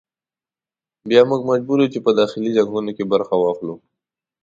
بیا موږ مجبور وو چې په داخلي جنګونو کې برخه واخلو.